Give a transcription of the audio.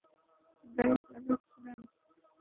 চার বছর ধরে আমি গাড়ি চালাচ্ছি।